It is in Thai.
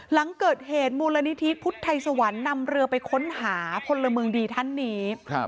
หลังเกิดเหตุมูลนิธิพุทธไทยสวรรค์นำเรือไปค้นหาพลเมืองดีท่านนี้